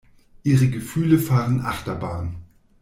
Ihre Gefühle fahren Achterbahn.